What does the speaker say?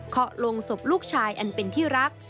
ลงศพลูกชายอันเป็นที่รัก